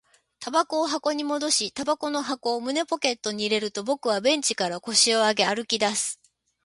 煙草を箱に戻し、煙草の箱を胸ポケットに入れると、僕はベンチから腰を上げ、歩き出す